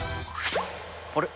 あれ？